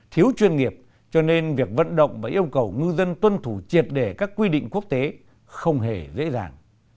thiếu chuyên nghiệp cho nên việc vận động và yêu cầu ngư dân tuân thủ triệt để các quy định quốc tế không hề dễ dàng